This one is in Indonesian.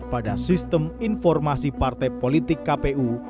pada sistem informasi partai politik kpu